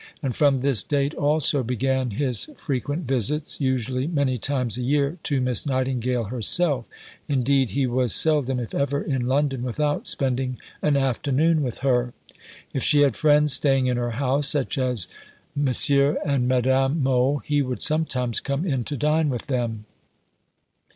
And from this date also began his frequent visits usually many times a year to Miss Nightingale herself; indeed he was seldom, if ever, in London without spending an afternoon with her. If she had friends staying in her house such as M. and Madame Mohl he would sometimes come in to dine with them.